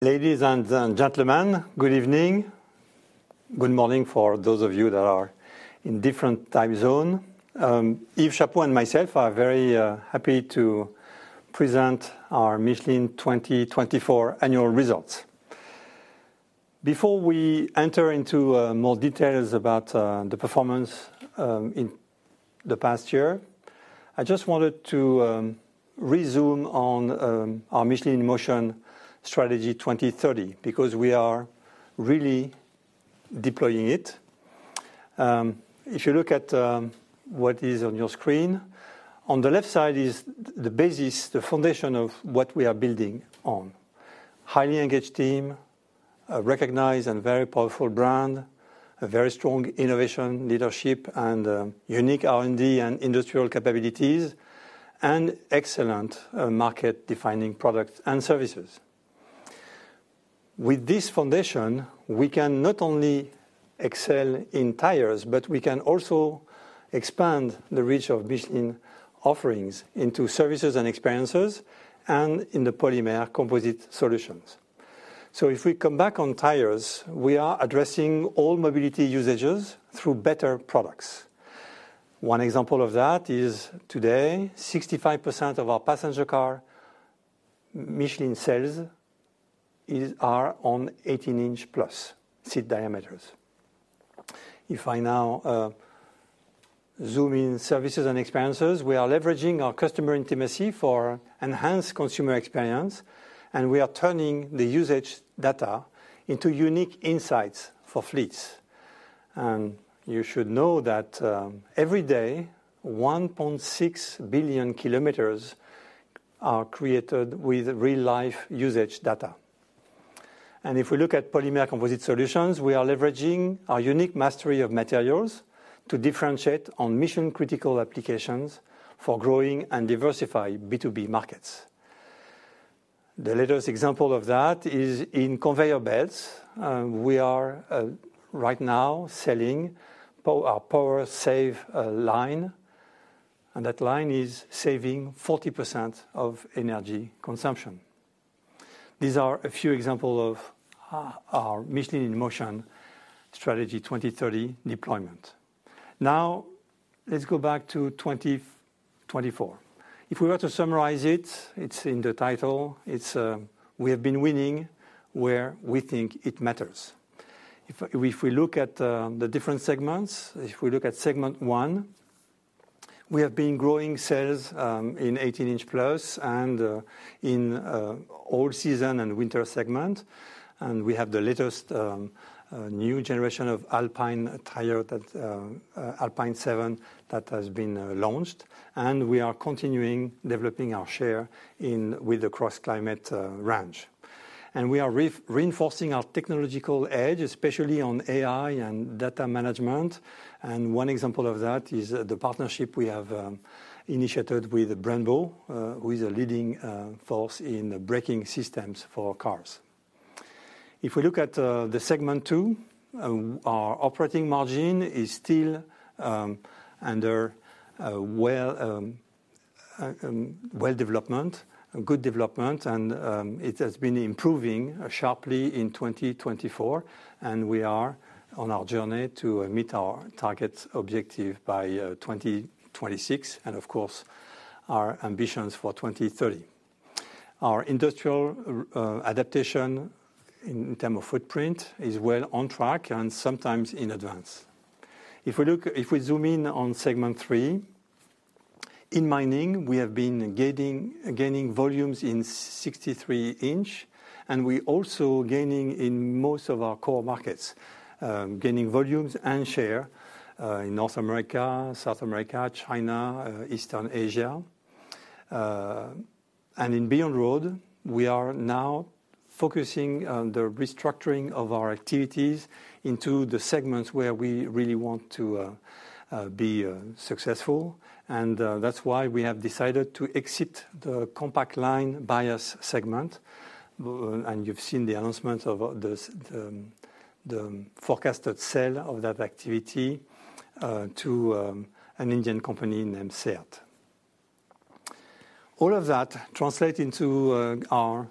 Ladies and gentlemen, good evening. Good morning for those of you that are in different time zones. Yves Chapot and myself are very happy to present our Michelin 2024 Annual Results. Before we enter into more details about the performance in the past year, I just wanted to recap on our Michelin Motion Strategy 2030 because we are really deploying it. If you look at what is on your screen, on the left side is the basis, the foundation of what we are building on: a highly engaged team, a recognized and very powerful brand, a very strong innovation leadership, and unique R&D and industrial capabilities, and excellent market-defining products and services. With this foundation, we can not only excel in tires, but we can also expand the reach of Michelin offerings into services and experiences and in the Polymer Composite Solutions. So if we come back on tires, we are addressing all mobility usages through better products. One example of that is today, 65% of our passenger car Michelin sales are on 18-inch+ rim diameters. If I now zoom in services and experiences, we are leveraging our customer intimacy for enhanced consumer experience, and we are turning the usage data into unique insights for fleets. And you should know that every day, 1.6 billion kilometers are created with real-life usage data. And if we look at Polymer Composite Solutions, we are leveraging our unique mastery of materials to differentiate on mission-critical applications for growing and diversified B2B markets. The latest example of that is in conveyor belts. We are right now selling our PowerSaver line, and that line is saving 40% of energy consumption. These are a few examples of our Michelin Motion Strategy 2030 deployment. Now, let's go back to 2024. If we were to summarize it, it's in the title. We have been winning where we think it matters. If we look at the different segments, if we look at Segment 1, we have been growing sales in 18-inch+ and in all-season and winter segments. And we have the latest new generation of Alpin 7 that has been launched. And we are continuing developing our share with the CrossClimate range. And we are reinforcing our technological edge, especially on AI and data management. And one example of that is the partnership we have initiated with Brembo, who is a leading force in braking systems for cars. If we look at the Segment 2, our operating margin is still undergoing good development, and it has been improving sharply in 2024. We are on our journey to meet our target objective by 2026 and, of course, our ambitions for 2030. Our industrial adaptation in terms of footprint is well on track and sometimes in advance. If we zoom in on Segment 3, in mining, we have been gaining volumes in 63-inch, and we are also gaining in most of our core markets, gaining volumes and share in North America, South America, China, Eastern Asia. And in Beyond Road, we are now focusing on the restructuring of our activities into the segments where we really want to be successful. And that's why we have decided to exit the Compact Line bias segment. And you've seen the announcement of the forecasted sale of that activity to an Indian company named CEAT. All of that translates into our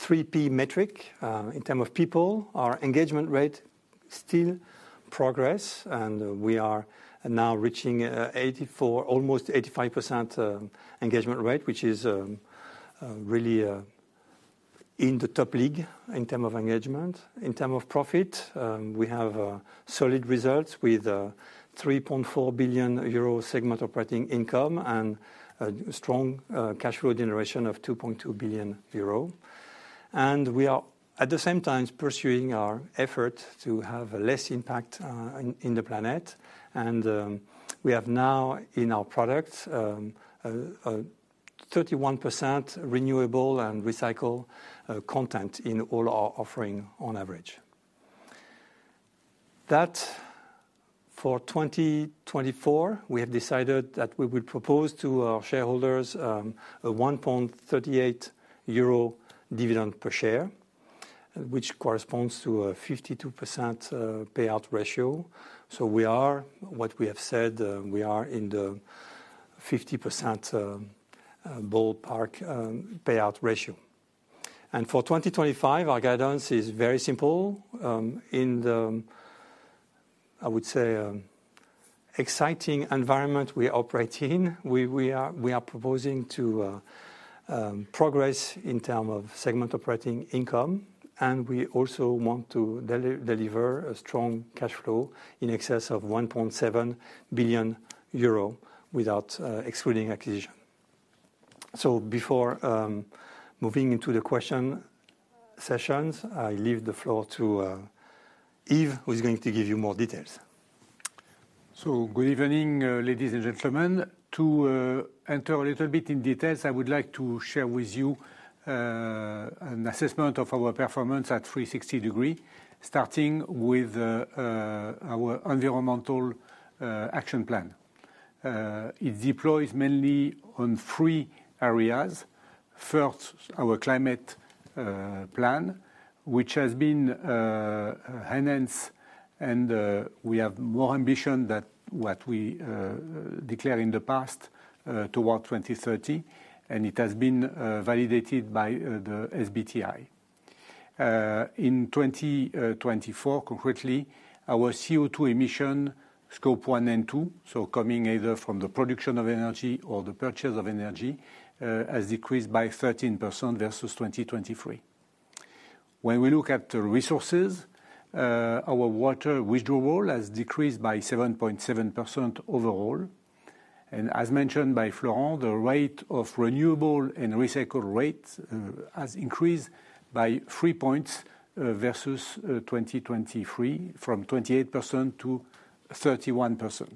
3P metric. In terms of people, our engagement rate still progresses, and we are now reaching almost 85% engagement rate, which is really in the top league in terms of engagement. In terms of profit, we have solid results with a 3.4 billion euro segment operating income and a strong cash flow generation of 2.2 billion euro. And we are at the same time pursuing our effort to have less impact on the planet. And we have now in our products 31% renewable and recyclable content in all our offerings on average. That, for 2024, we have decided that we will propose to our shareholders a 1.38 euro dividend per share, which corresponds to a 52% payout ratio. So we are, what we have said, we are in the 50% ballpark payout ratio. And for 2025, our guidance is very simple. In the, I would say, exciting environment we operate in, we are proposing to progress in terms of segment operating income. And we also want to deliver a strong cash flow in excess of 1.7 billion euro without excluding acquisition. So before moving into the question sessions, I leave the floor to Yves, who is going to give you more details. Good evening, ladies and gentlemen. To enter a little bit in detail, I would like to share with you an assessment of our performance at 360 degrees, starting with our environmental action plan. It deploys mainly on three areas. First, our climate plan, which has been enhanced, and we have more ambition than what we declared in the past towards 2030. It has been validated by the SBTi. In 2024, concretely, our CO2 emission scope one and two, so coming either from the production of energy or the purchase of energy, has decreased by 13% versus 2023. When we look at the resources, our water withdrawal has decreased by 7.7% overall. As mentioned by Florent, the rate of renewable and recycled rates has increased by three points versus 2023, from 28% to 31%.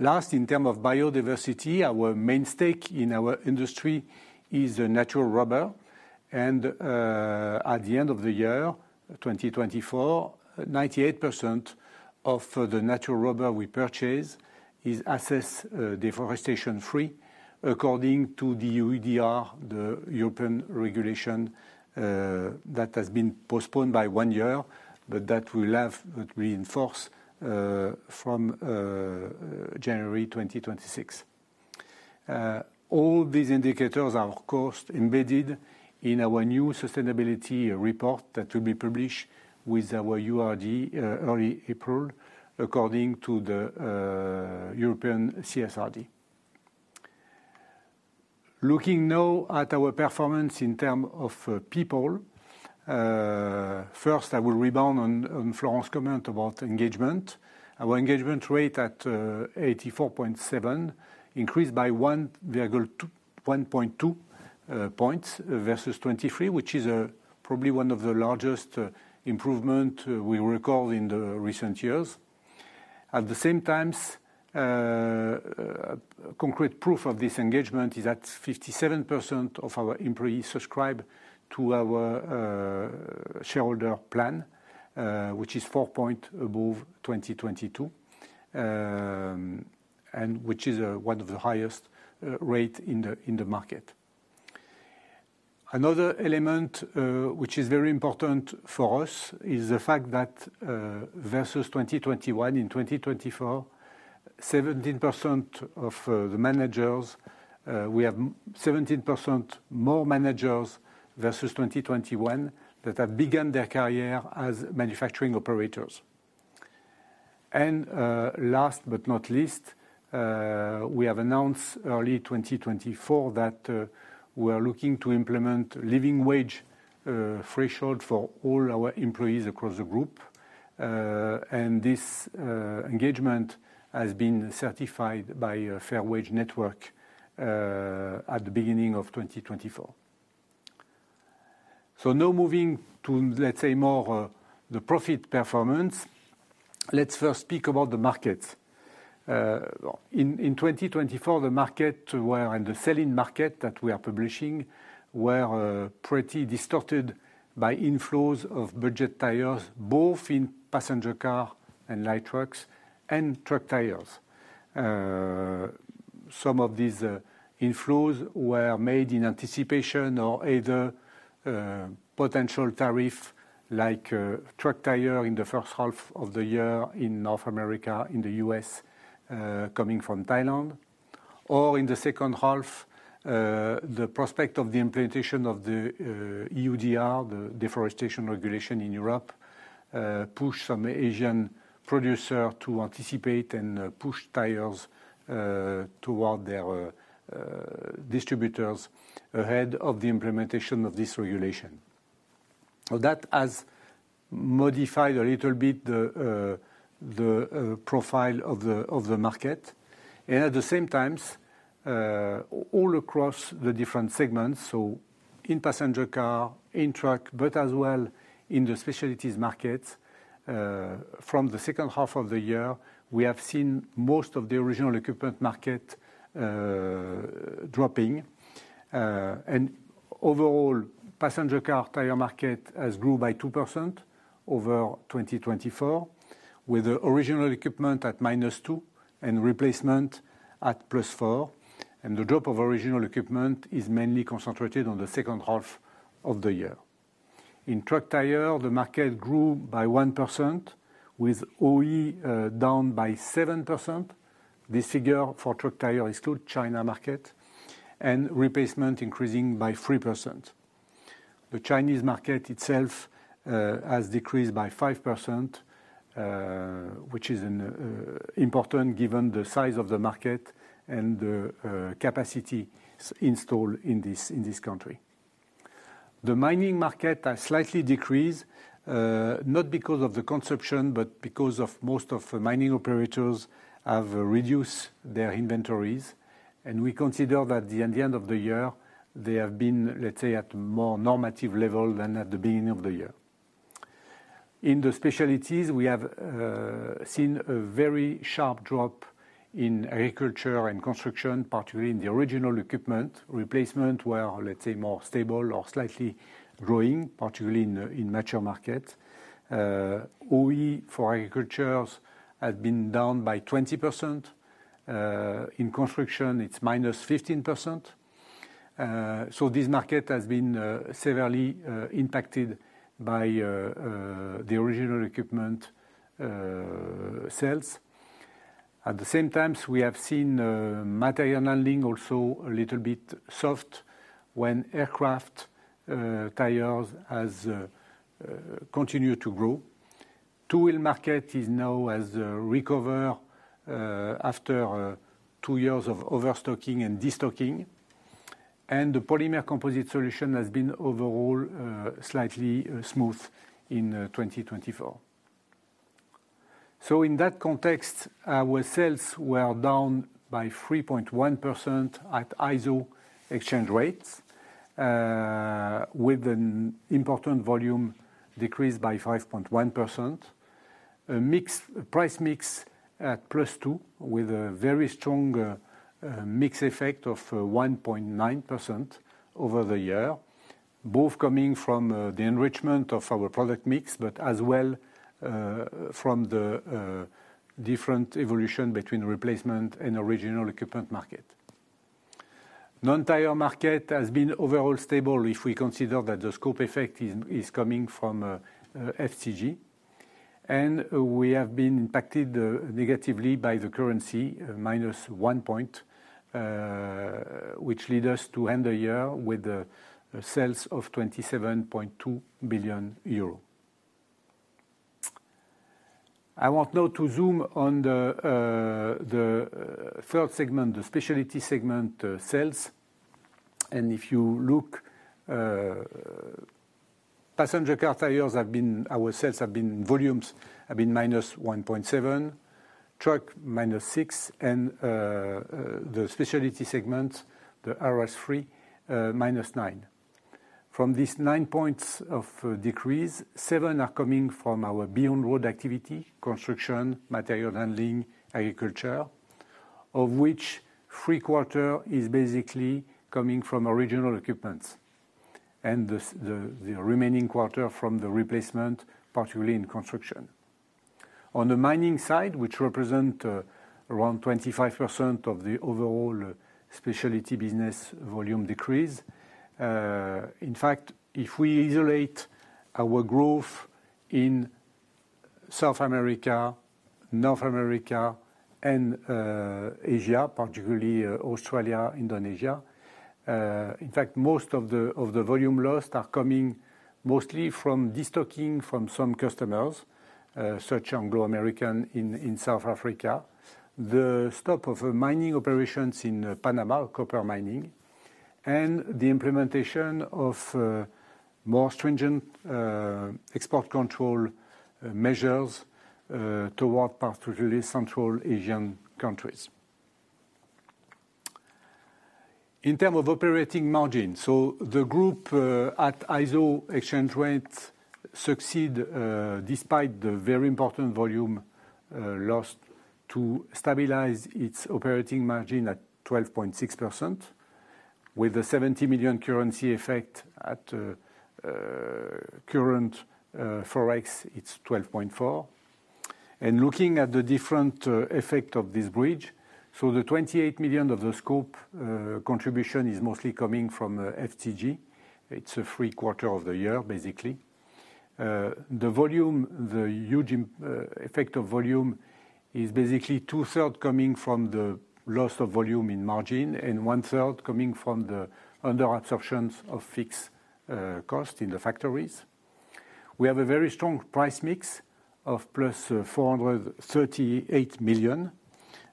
Last, in terms of biodiversity, our main stake in our industry is natural rubber. At the end of the year, 2024, 98% of the natural rubber we purchase is assessed deforestation-free, according to the EUDR, the European regulation that has been postponed by one year, but that we will have to reinforce from January 2026. All these indicators are, of course, embedded in our new sustainability report that will be published with our URD early April, according to the European CSRD. Looking now at our performance in terms of people, first, I will rebound on Florent's comment about engagement. Our engagement rate at 84.7% increased by 1.2 points versus 2023, which is probably one of the largest improvements we record in the recent years. At the same time, concrete proof of this engagement is that 57% of our employees subscribe to our shareholder plan, which is four points above 2022, and which is one of the highest rates in the market. Another element which is very important for us is the fact that versus 2021, in 2024, 17% of the managers, we have 17% more managers versus 2021 that have begun their career as manufacturing operators. And last but not least, we have announced early 2024 that we are looking to implement a living wage threshold for all our employees across the group. And this engagement has been certified by Fair Wage Network at the beginning of 2024. So now moving to, let's say, more the profit performance, let's first speak about the markets. In 2024, the market, and the selling market that we are publishing, were pretty distorted by inflows of budget tires, both in passenger cars and light trucks and truck tires. Some of these inflows were made in anticipation of either potential tariffs like truck tires in the first half of the year in North America, in the US, coming from Thailand, or in the second half, the prospect of the implementation of the EUDR, the deforestation regulation in Europe, pushed some Asian producers to anticipate and push tires toward their distributors ahead of the implementation of this regulation. That has modified a little bit the profile of the market. And at the same time, all across the different segments, so in passenger car, in truck, but as well in the specialties markets, from the second half of the year, we have seen most of the original equipment market dropping. And overall, passenger car tire market has grown by 2% over 2024, with original equipment at -2% and replacement at +4%. The drop of original equipment is mainly concentrated on the second half of the year. In truck tires, the market grew by 1%, with OE down by 7%. This figure for truck tires is still China market, and replacement increasing by 3%. The Chinese market itself has decreased by 5%, which is important given the size of the market and the capacity installed in this country. The mining market has slightly decreased, not because of the consumption, but because most of the mining operators have reduced their inventories. We consider that at the end of the year, they have been, let's say, at a more normative level than at the beginning of the year. In the specialties, we have seen a very sharp drop in agriculture and construction, particularly in the original equipment. Replacement were, let's say, more stable or slightly growing, particularly in the mature market. OE for agriculture has been down by 20%. In construction, it's -15%. This market has been severely impacted by the original equipment sales. At the same time, we have seen material handling also a little bit soft when aircraft tires have continued to grow. The two-wheel market is now recovered after two years of overstocking and destocking. The polymer composite solution has been overall slightly smooth in 2024. In that context, our sales were down by 3.1% at ISO exchange rates, with an important volume decrease by 5.1%. Price mix at +2%, with a very strong mix effect of 1.9% over the year, both coming from the enrichment of our product mix, but as well from the different evolution between replacement and original equipment market. The non-tire market has been overall stable if we consider that the scope effect is coming from FCG. We have been impacted negatively by the currency, -1 point, which led us to end the year with sales of 27.2 billion euro. I want now to zoom on the third segment, the specialty segment sales. If you look, passenger car tires have been, our sales volumes have been -1.7%, truck -6%, and the specialty segments, the SR3, -9%. From these 9 points of decrease, 7 are coming from our Beyond Road activity, construction, material handling, agriculture, of which three quarters is basically coming from original equipment. The remaining quarter from the replacement, particularly in construction. On the mining side, which represents around 25% of the overall specialty business volume decrease. In fact, if we isolate our growth in South America, North America, and Asia, particularly Australia, Indonesia, in fact, most of the volume lost are coming mostly from destocking from some customers, such as Anglo American in South Africa, the stop of mining operations in Panama, copper mining, and the implementation of more stringent export control measures toward particularly Central Asian countries. In terms of operating margin, so the group at ISO exchange rate succeeds despite the very important volume lost to stabilize its operating margin at 12.6%, with a 70 million currency effect at current Forex; it's 12.4%. Looking at the different effect of this bridge, so the 28 million of the scope contribution is mostly coming from FCG. It's three quarters of the year, basically. The volume, the huge effect of volume is basically two-thirds coming from the loss of volume in margin and 1/3 coming from the under-absorption of fixed costs in the factories. We have a very strong price mix of +438 million,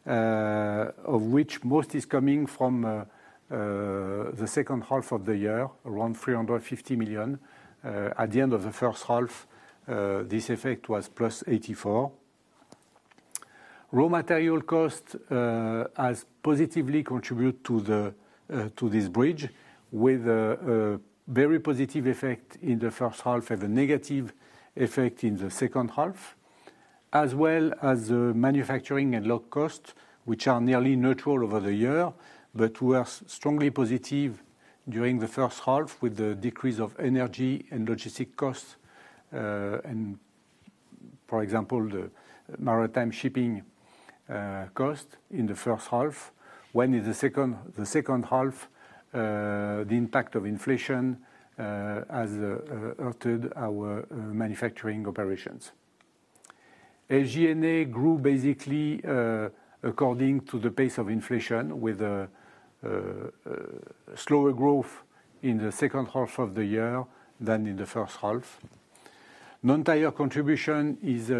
of which most is coming from the second half of the year, around 350 million. At the end of the first half, this effect was +84 million. Raw material cost has positively contributed to this bridge, with a very positive effect in the first half and a negative effect in the second half, as well as the manufacturing and log costs, which are nearly neutral over the year, but were strongly positive during the first half with the decrease of energy and logistic costs, and for example, the maritime shipping cost in the first half. When in the second half, the impact of inflation has altered our manufacturing operations. SG&A grew basically according to the pace of inflation, with a slower growth in the second half of the year than in the first half. Non-tire contribution is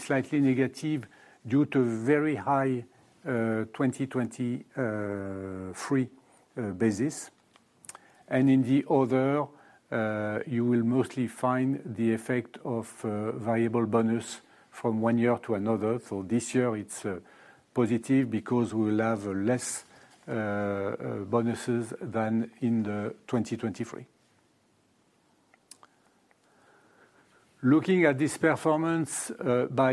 slightly negative due to very high 2023 basis, and in the other, you will mostly find the effect of variable bonus from one year to another, so this year, it's positive because we will have less bonuses than in 2023. Looking at this performance by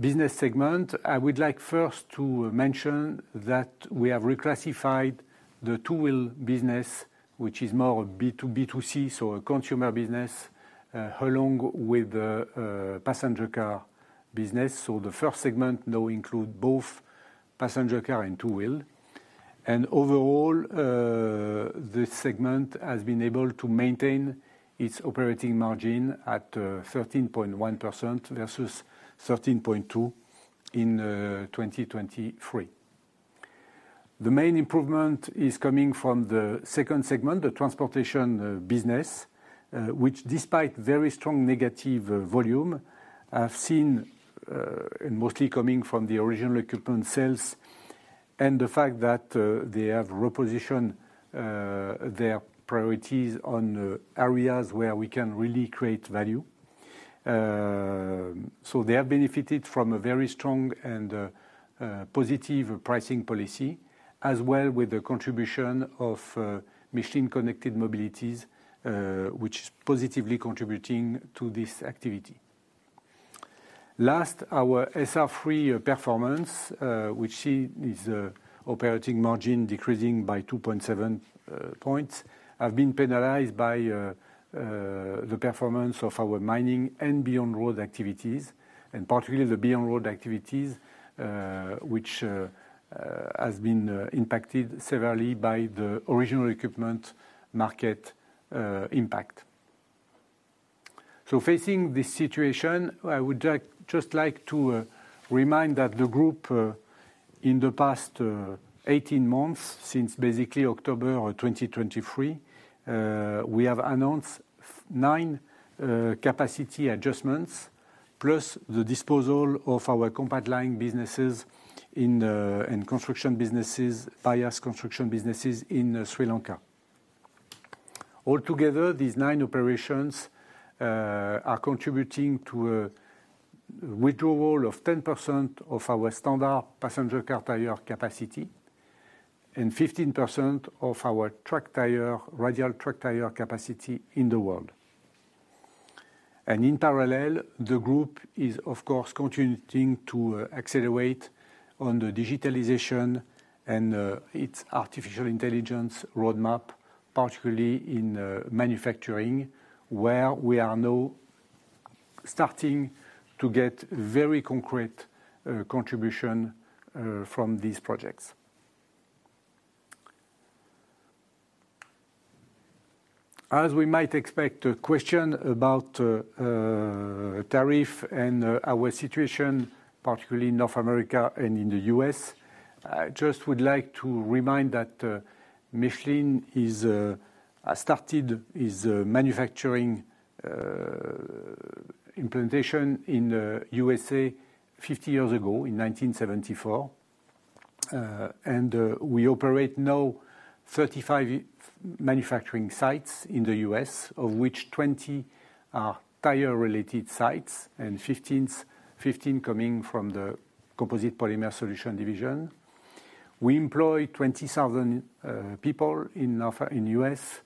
business segment, I would like first to mention that we have reclassified the two-wheel business, which is more B2C, so a consumer business, along with the passenger car business, so the first segment now includes both passenger car and two-wheel, and overall, this segment has been able to maintain its operating margin at 13.1% versus 13.2% in 2023. The main improvement is coming from the second segment, the transportation business, which despite very strong negative volume, has seen mostly coming from the original equipment sales and the fact that they have repositioned their priorities on areas where we can really create value. So they have benefited from a very strong and positive pricing policy, as well with the contribution of Michelin Connected Mobilities, which is positively contributing to this activity. Last, our SR3 performance, which is operating margin decreasing by 2.7 points, has been penalized by the performance of our mining and Beyond Road activities, and particularly the Beyond Road activities, which has been impacted severely by the original equipment market impact. So facing this situation, I would just like to remind that the group, in the past 18 months, since basically October 2023, we have announced nine capacity adjustments, plus the disposal of our Compact Line businesses and construction businesses, bias construction businesses in Sri Lanka. Altogether, these nine operations are contributing to a withdrawal of 10% of our standard passenger car tire capacity and 15% of our truck tire, radial truck tire capacity in the world. And in parallel, the group is, of course, continuing to accelerate on the digitalization and its artificial intelligence roadmap, particularly in manufacturing, where we are now starting to get very concrete contribution from these projects. As we might expect, a question about tariff and our situation, particularly in North America and in the US, I just would like to remind that Michelin has started its manufacturing implementation in the USA 50 years ago, in 1974. We operate now 35 manufacturing sites in the US, of which 20 are tire-related sites and 15 coming from the Polymer Composite Solutions division. We employ 20,000 people in the US,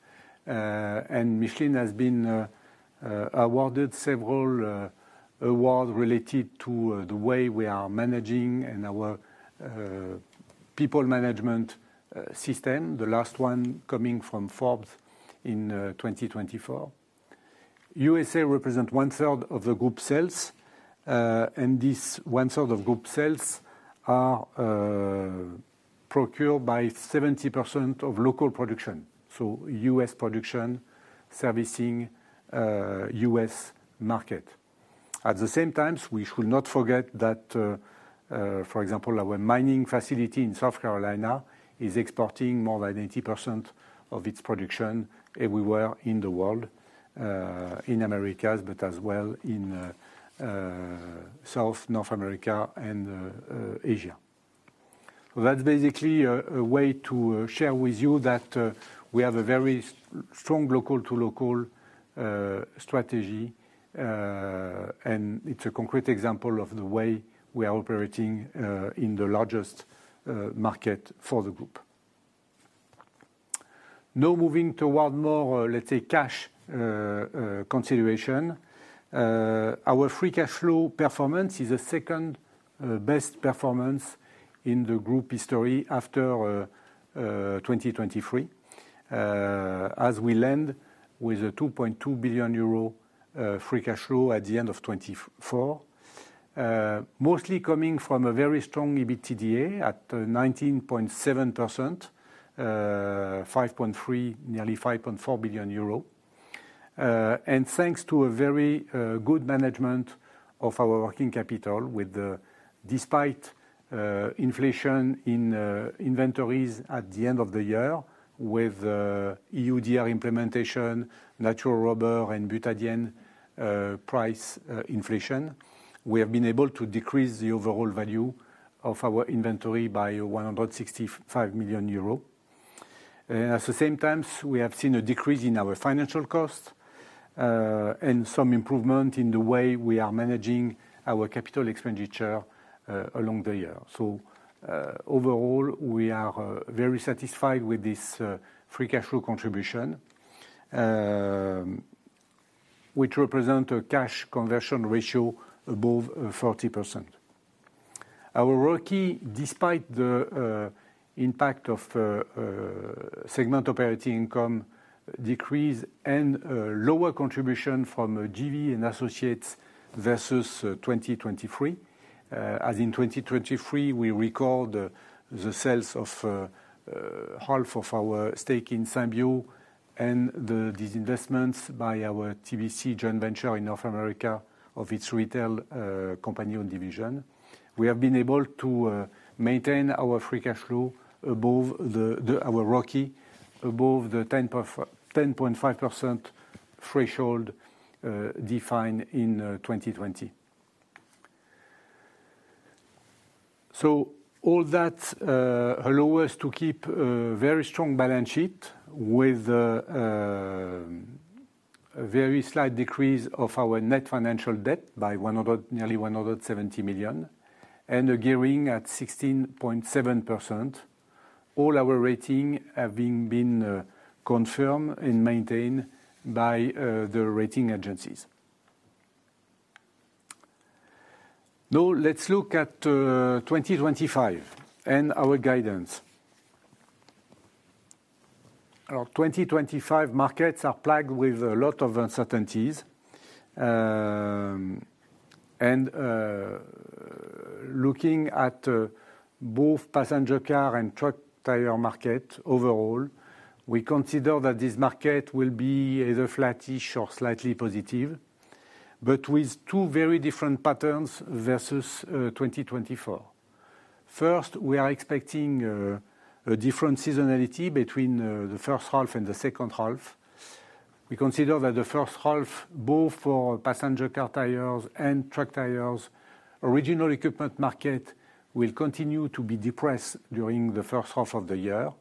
and Michelin has been awarded several awards related to the way we are managing and our people management system, the last one coming from Forbes in 2024. USA represents one-third of the group sales, and this one-third of group sales are procured by 70% of local production, so US production servicing US market. At the same time, we should not forget that, for example, our mining facility in South Carolina is exporting more than 80% of its production everywhere in the world, in Americas, but as well in South, North America, and Asia. So that's basically a way to share with you that we have a very strong local-to-local strategy, and it's a concrete example of the way we are operating in the largest market for the group. Now moving toward more, let's say, cash consideration, our free cash flow performance is the second best performance in the group history after 2023, as we land with a 2.2 billion euro free cash flow at the end of 2024, mostly coming from a very strong EBITDA at 19.7%, 5.3, nearly 5.4 billion euro. Thanks to a very good management of our working capital, despite inflation in inventories at the end of the year, with EUDR implementation, natural rubber, and butadiene price inflation, we have been able to decrease the overall value of our inventory by 165 million euro. And at the same time, we have seen a decrease in our financial costs and some improvement in the way we are managing our capital expenditure along the year. Overall, we are very satisfied with this free cash flow contribution, which represents a cash conversion ratio above 40%. Our ROI, despite the impact of segment operating income decrease and lower contribution from JV and associates versus 2023, as in 2023, we record the sales of half of our stake in Symbio and the disinvestments by our TBC Joint Venture in North America of its retail company and division. We have been able to maintain our free cash flow above our ROI, above the 10.5% threshold defined in 2020. So all that allowed us to keep a very strong balance sheet with a very slight decrease of our net financial debt by nearly 170 million and a gearing at 16.7%. All our ratings have been confirmed and maintained by the rating agencies. Now let's look at 2025 and our guidance. Our 2025 markets are plagued with a lot of uncertainties. And looking at both passenger car and truck tire market overall, we consider that this market will be either flattish or slightly positive, but with two very different patterns versus 2024. First, we are expecting a different seasonality between the first half and the second half. We consider that the first half, both for passenger car tires and truck tires, original equipment market will continue to be depressed during the first half of the year,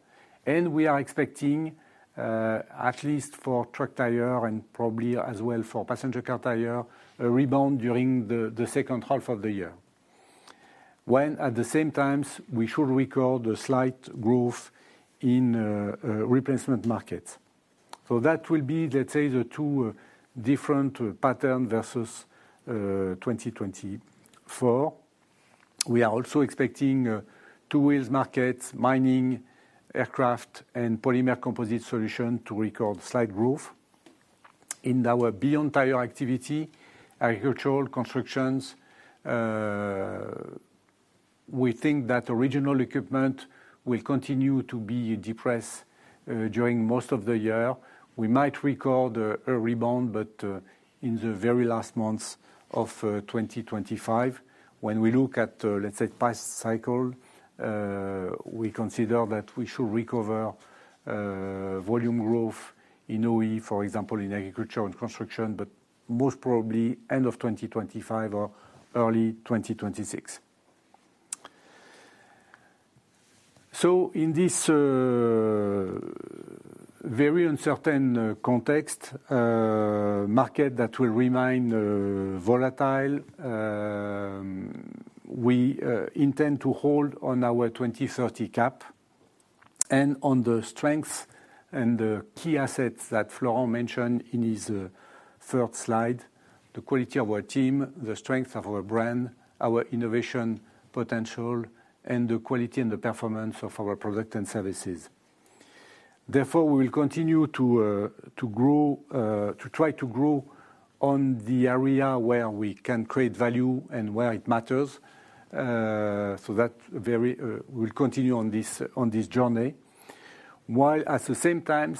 and we are expecting, at least for truck tire and probably as well for passenger car tire, a rebound during the second half of the year, when at the same time, we should record a slight growth in replacement markets, so that will be, let's say, the two different patterns versus 2024. We are also expecting two-wheels markets, mining, aircraft, and polymer composite solution to record slight growth. In our beyond tire activity, agricultural construction, we think that original equipment will continue to be depressed during most of the year. We might record a rebound, but in the very last months of 2025, when we look at, let's say, past cycle, we consider that we should recover volume growth in OE, for example, in agriculture and construction, but most probably end of 2025 or early 2026. So in this very uncertain context, market that will remain volatile, we intend to hold on our 2030 cap and on the strengths and the key assets that Florent mentioned in his third slide, the quality of our team, the strength of our brand, our innovation potential, and the quality and the performance of our products and services. Therefore, we will continue to try to grow on the area where we can create value and where it matters. So that we will continue on this journey, while at the same time,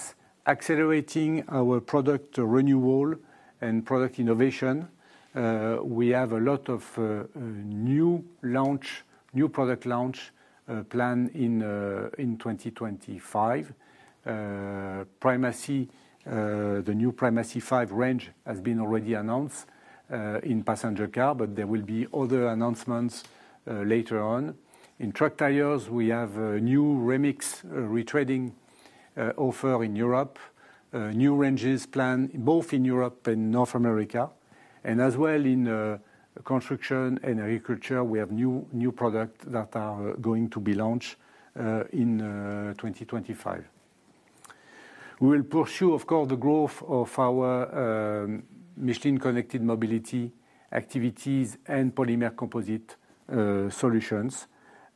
accelerating our product renewal and product innovation. We have a lot of new product launch plans in 2025. The new Primacy 5 range has been already announced in passenger car, but there will be other announcements later on. In truck tires, we have a new Remix retreading offer in Europe, new ranges planned both in Europe and North America, and as well in construction and agriculture, we have new products that are going to be launched in 2025. We will pursue, of course, the growth of our Michelin Connected Mobility activities and Polymer Composite Solutions,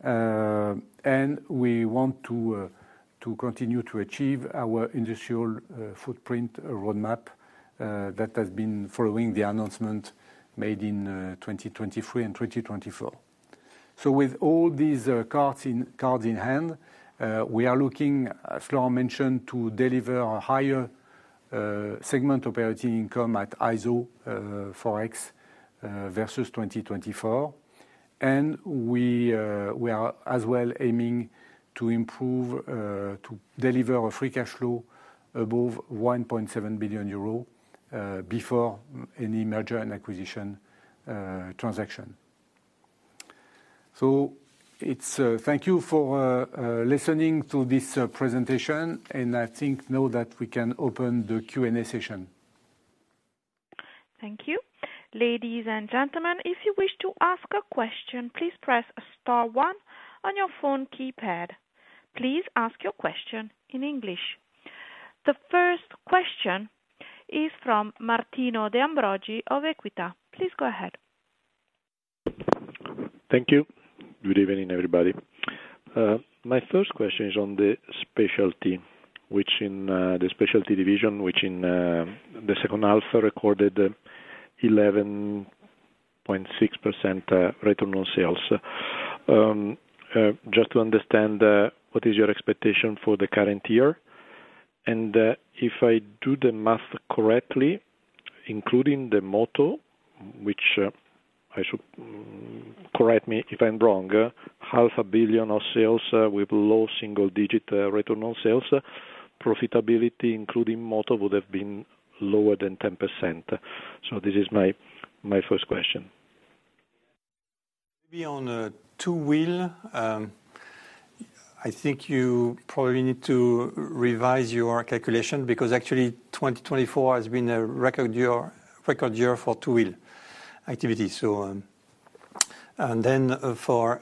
and we want to continue to achieve our industrial footprint roadmap that has been following the announcement made in 2023 and 2024, so with all these cards in hand, we are looking, as Florent mentioned, to deliver a higher segment operating income at ISO FX versus 2024. We are as well aiming to deliver a free cash flow above 1.7 billion euro before any merger and acquisition transaction. So thank you for listening to this presentation, and I think now that we can open the Q&A session. Thank you. Ladies and gentlemen, if you wish to ask a question, please press star one on your phone keypad. Please ask your question in English. The first question is from Martino De Ambroggi of Equita. Please go ahead. Thank you. Good evening, everybody. My first question is on the specialty, which in the specialty division, which in the second half recorded 11.6% return on sales. Just to understand, what is your expectation for the current year? And if I do the math correctly, including the moto, which I should correct me if I'm wrong, 500 million of sales with low single-digit return on sales, profitability, including moto, would have been lower than 10%. So this is my first question. Maybe on two-wheel, I think you probably need to revise your calculation because actually 2024 has been a record year for two-wheel activity. And then for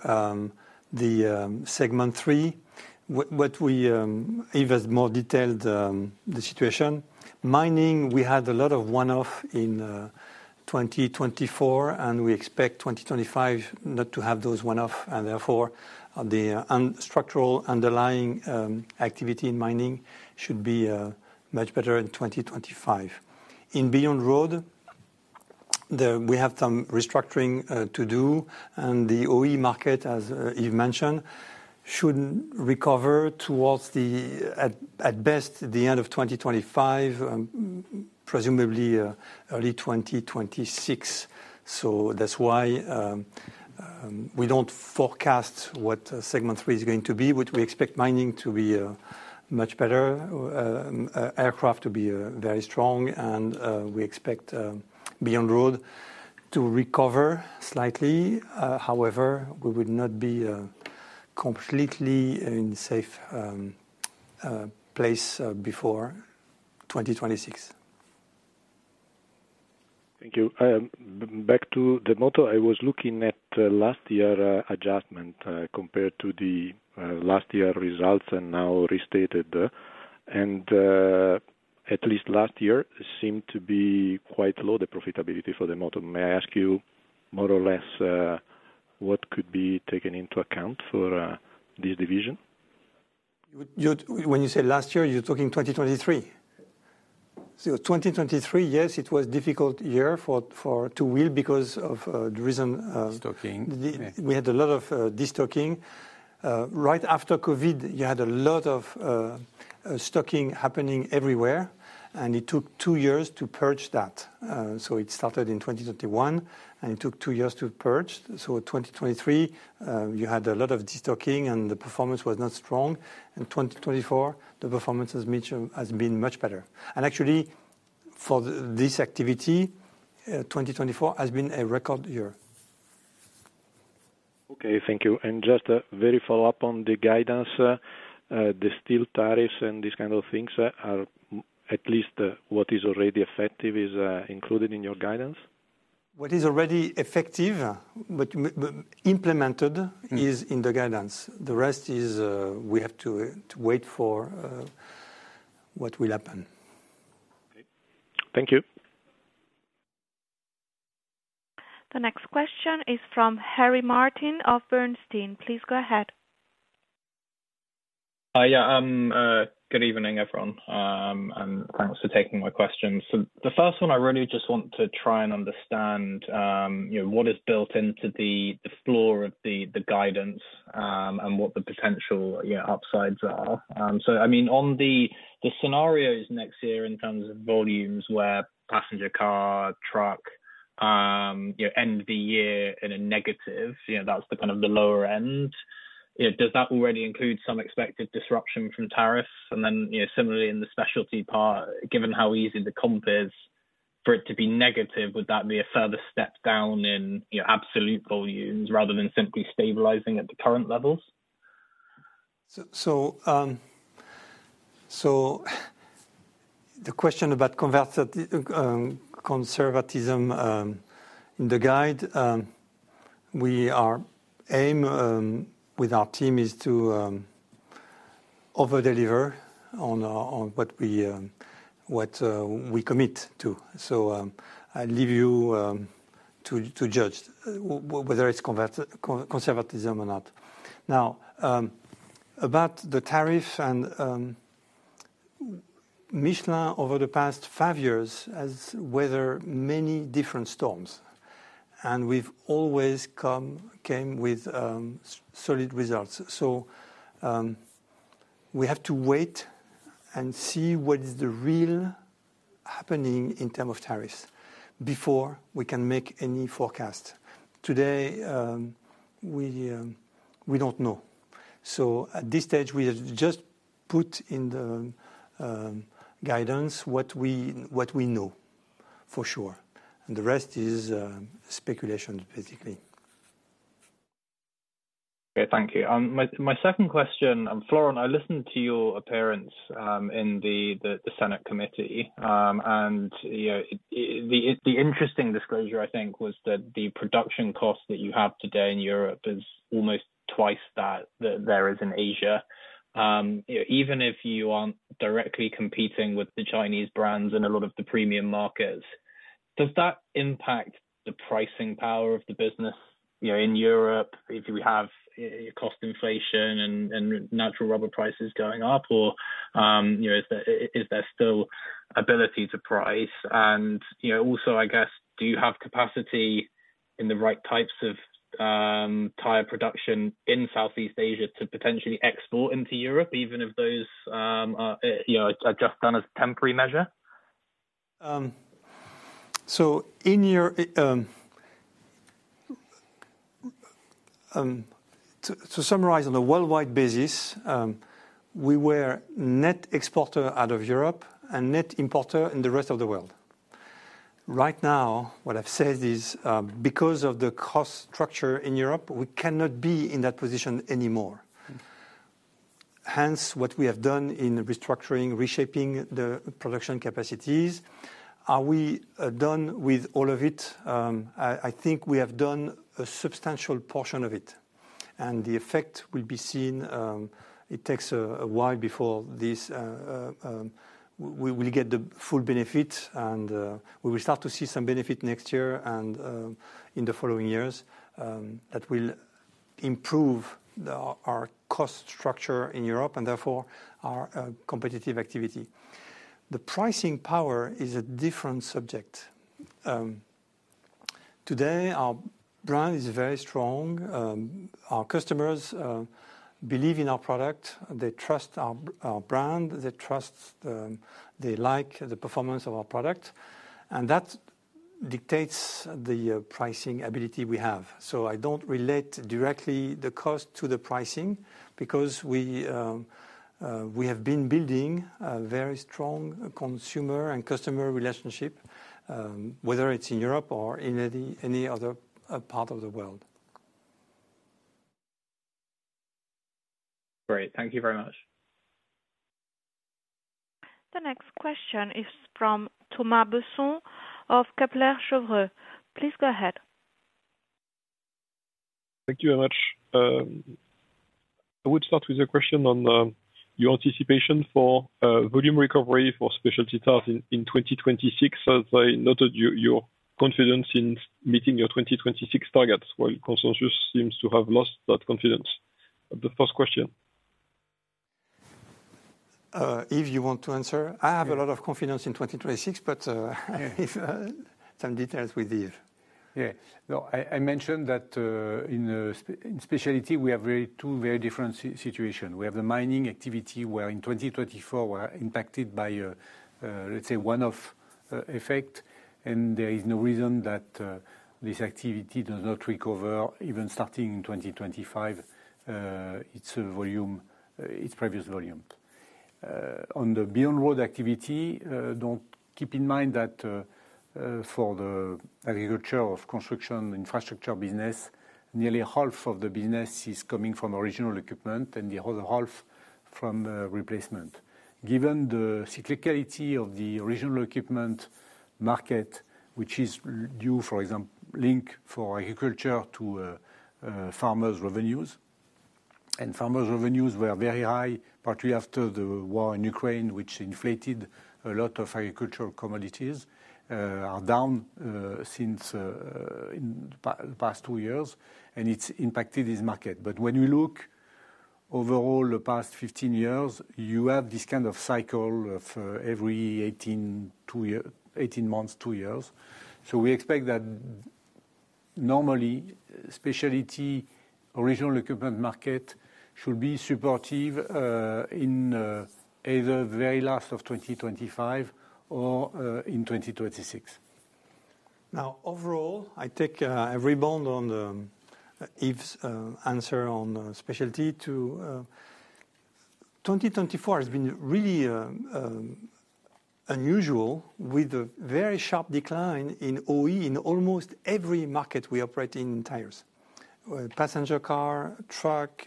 the Segment 3, what we have as more detailed the situation. Mining, we had a lot of one-off in 2024, and we expect 2025 not to have those one-offs. And therefore, the structural underlying activity in mining should be much better in 2025. In beyond road, we have some restructuring to do, and the OE market, as you mentioned, should recover towards the, at best, the end of 2025, presumably early 2026. So that's why we don't forecast what Segment 3 is going to be. We expect mining to be much better, aircraft to be very strong, and we expect beyond road to recover slightly. However, we would not be completely in a safe place before 2026. Thank you. Back to the moto, I was looking at last year's adjustment compared to the last year's results and now restated. And at least last year, it seemed to be quite low, the profitability for the moto. May I ask you more or less what could be taken into account for this division? When you say last year, you're talking 2023. So 2023, yes, it was a difficult year for two-wheel because of the reason of we had a lot of destocking. Right after COVID, you had a lot of stocking happening everywhere, and it took two years to purge that. It started in 2021, and it took two years to purge. So 2023, you had a lot of destocking, and the performance was not strong. In 2024, the performance has been much better. And actually, for this activity, 2024 has been a record year. Okay, thank you. And just a very follow-up on the guidance. The steel tariffs and these kinds of things are, at least what is already effective, is included in your guidance? What is already effective, but implemented, is in the guidance. The rest is we have to wait for what will happen. Thank you. The next question is from Harry Martin of Bernstein. Please go ahead. Yeah, good evening, everyone, and thanks for taking my questions. So the first one, I really just want to try and understand what is built into the floor of the guidance and what the potential upsides are. So I mean, on the scenarios next year in terms of volumes where passenger car, truck, end of the year in a negative, that's the kind of the lower end. Does that already include some expected disruption from tariffs? And then similarly, in the specialty part, given how easy the comp is for it to be negative, would that be a further step down in absolute volumes rather than simply stabilizing at the current levels? So the question about conservatism in the guide, our aim with our team is to overdeliver on what we commit to. So I leave you to judge whether it's conservatism or not. Now, about the tariff and Michelin over the past five years has weathered many different storms, and we've always come with solid results. So we have to wait and see what is really happening in terms of tariffs before we can make any forecast. Today, we don't know. So at this stage, we have just put in the guidance what we know for sure. And the rest is speculation, basically. Okay, thank you. My second question, Florent, I listened to your appearance in the Senate Committee, and the interesting disclosure, I think, was that the production cost that you have today in Europe is almost twice that there is in Asia. Even if you aren't directly competing with the Chinese brands in a lot of the premium markets, does that impact the pricing power of the business in Europe? If we have cost inflation and natural rubber prices going up, or is there still ability to price? And also, I guess, do you have capacity in the right types of tire production in Southeast Asia to potentially export into Europe, even if those are just done as a temporary measure? So to summarize on a worldwide basis, we were net exporter out of Europe and net importer in the rest of the world. Right now, what I've said is, because of the cost structure in Europe, we cannot be in that position anymore. Hence, what we have done in restructuring, reshaping the production capacities. Are we done with all of it? I think we have done a substantial portion of it. And the effect will be seen. It takes a while before we will get the full benefit, and we will start to see some benefit next year and in the following years that will improve our cost structure in Europe and therefore our competitive activity. The pricing power is a different subject. Today, our brand is very strong. Our customers believe in our product. They trust our brand. They like the performance of our product. And that dictates the pricing ability we have. So I don't relate directly the cost to the pricing because we have been building a very strong consumer and customer relationship, whether it's in Europe or in any other part of the world. Great. Thank you very much. The next question is from Thomas Besson of Kepler Cheuvreux. Please go ahead. Thank you very much. I would start with a question on your anticipation for volume recovery for specialty cars in 2026. As I noted, your confidence in meeting your 2026 targets, while consensus seems to have lost that confidence. The first question. Yves, you want to answer? I have a lot of confidence in 2026, but some details with Yves. Okay. I mentioned that in specialty, we have two very different situations. We have the mining activity where in 2024, we're impacted by, let's say, one-off effect, and there is no reason that this activity does not recover, even starting in 2025, its previous volume. On the beyond road activity, keep in mind that for the agriculture and construction infrastructure business, nearly half of the business is coming from original equipment and the other half from replacement. Given the cyclicality of the original equipment market, which is due, for example, linked for agriculture to farmers' revenues, and farmers' revenues were very high, particularly after the war in Ukraine, which inflated a lot of agricultural commodities, are down for the past two years, and it's impacted this market. But when we look overall, the past 15 years, you have this kind of cycle of every 18 months, two years. So we expect that normally, specialty original equipment market should be supportive in either the very last of 2025 or in 2026. Now, overall, I take a rebound on Yves' answer on specialty to 2024 has been really unusual with a very sharp decline in OE in almost every market we operate in in tires: passenger car, truck,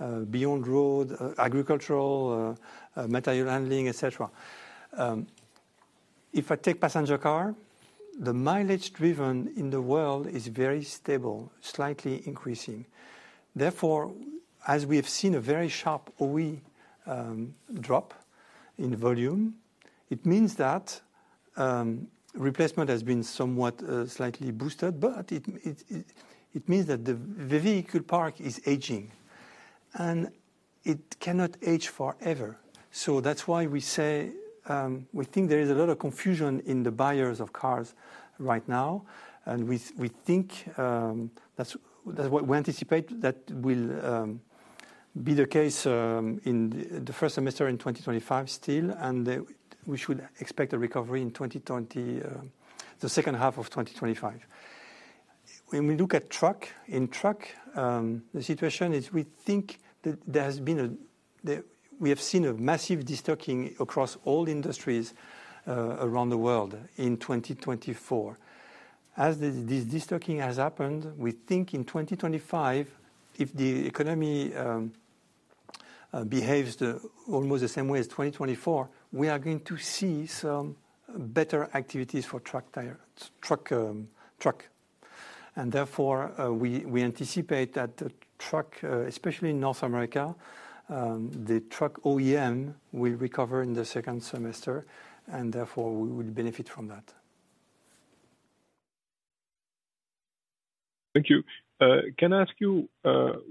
off-road, agricultural, material handling, etc. If I take passenger car, the mileage driven in the world is very stable, slightly increasing. Therefore, as we have seen a very sharp OE drop in volume, it means that replacement has been somewhat slightly boosted, but it means that the vehicle park is aging, and it cannot age forever. So that's why we say we think there is a lot of confusion in the buyers of cars right now, and we think that's what we anticipate that will be the case in the first semester in 2025 still, and we should expect a recovery in the second half of 2025. When we look at truck, in truck, the situation is we have seen a massive destocking across all industries around the world in 2024. As this destocking has happened, we think in 2025, if the economy behaves almost the same way as 2024, we are going to see some better activities for truck tire, truck. And therefore, we anticipate that the truck, especially in North America, the truck OEM will recover in the second semester, and therefore, we will benefit from that. Thank you. Can I ask you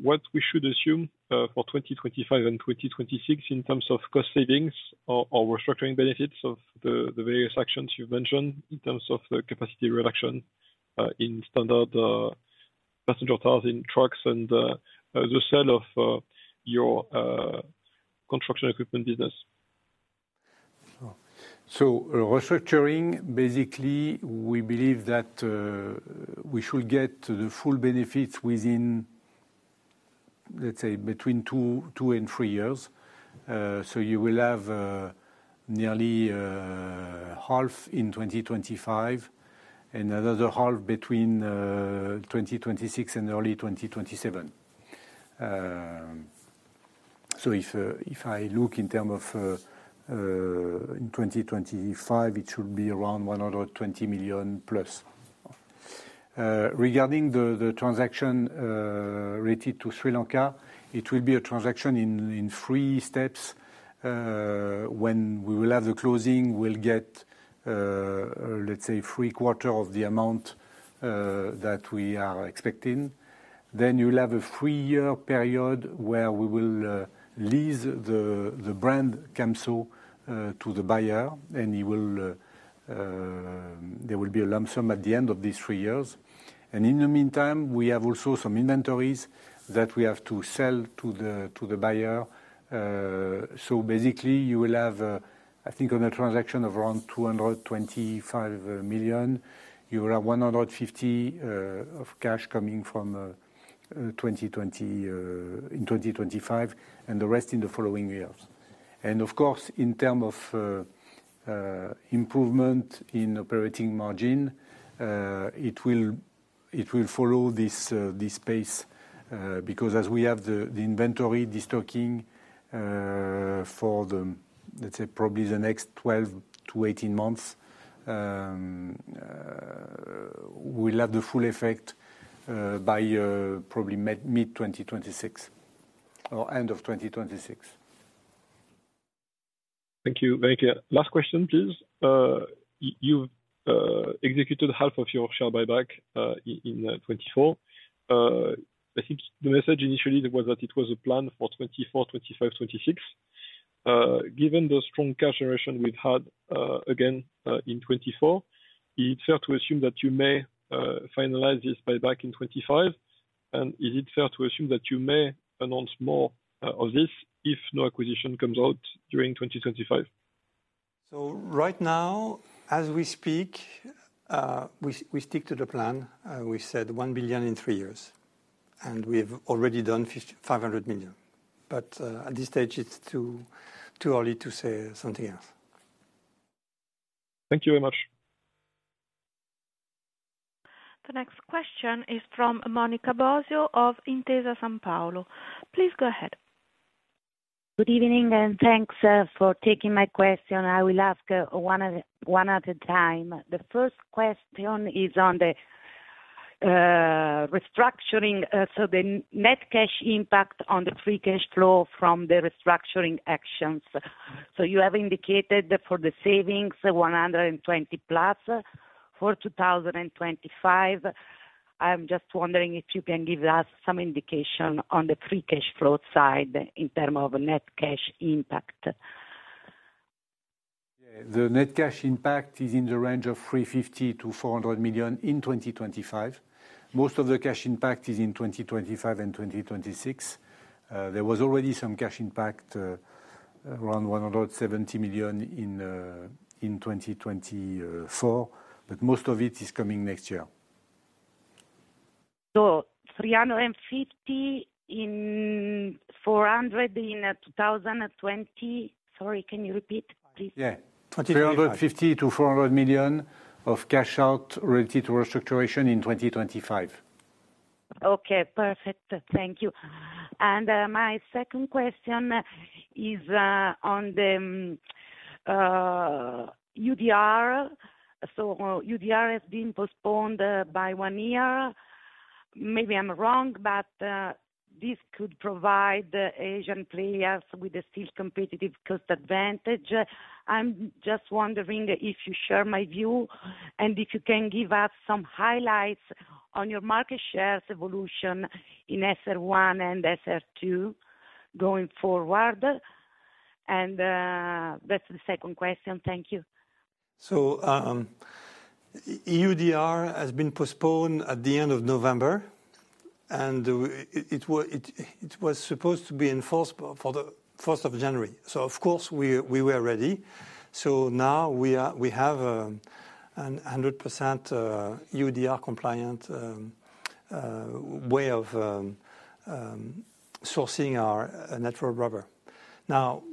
what we should assume for 2025 and 2026 in terms of cost savings or restructuring benefits of the various actions you've mentioned in terms of the capacity reduction in standard passenger cars, in trucks, and the sale of your construction equipment business? So restructuring, basically, we believe that we should get the full benefits within, let's say, between two and three years. So you will have nearly half in 2025 and another half between 2026 and early 2027. So if I look in terms of in 2025, it should be around 120 million+. Regarding the transaction related to Sri Lanka, it will be a transaction in three steps. When we will have the closing, we'll get, let's say, three quarters of the amount that we are expecting. Then you'll have a three-year period where we will lease the brand Camso to the buyer, and there will be a lump sum at the end of these three years. And in the meantime, we have also some inventories that we have to sell to the buyer. So basically, you will have, I think, on a transaction of around 225 million, you will have 150 million of cash coming in 2024 in 2025 and the rest in the following years. And of course, in terms of improvement in operating margin, it will follow this pace because as we have the inventory destocking for the, let's say, probably the next 12-18 months, we'll have the full effect by probably mid-2026 or end of 2026. Thank you. Very good. Last question, please. You've executed half of your share buyback in 2024. I think the message initially was that it was a plan for 2024, 2025, 2026. Given the strong cash generation we've had again in 2024, is it fair to assume that you may finalize this buyback in 2025? And is it fair to assume that you may announce more of this if no acquisition comes out during 2025? So right now, as we speak, we stick to the plan. We said 1 billion in three years, and we have already done 500 million. But at this stage, it's too early to say something else. Thank you very much. The next question is from Monica Bosio of Intesa Sanpaolo. Please go ahead. Good evening and thanks for taking my question. I will ask one at a time. The first question is on the restructuring, so the net cash impact on the free cash flow from the restructuring actions. So you have indicated for the savings 120+ for 2025. I'm just wondering if you can give us some indication on the free cash flow side in terms of net cash impact. The net cash impact is in the range of 350-400 million in 2025. Most of the cash impact is in 2025 and 2026. There was already some cash impact around 170 million in 2024, but most of it is coming next year. So 350 to 400 in 2025. Sorry, can you repeat, please? Yeah. 350-400 million of cash out related to restructuring in 2025. Okay, perfect. Thank you. And my second question is on the URD. So URD has been postponed by one year. Maybe I'm wrong, but this could provide Asian players with a still competitive cost advantage. I'm just wondering if you share my view and if you can give us some highlights on your market share's evolution in SR1 and SR2 going forward. And that's the second question. Thank you. So EUDR has been postponed at the end of November, and it was supposed to be enforced for the 1st of January. So of course, we were ready. So now we have a 100% EUDR compliant way of sourcing our natural rubber. Now,